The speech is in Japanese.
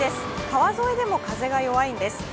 川沿いでも風が弱いんです。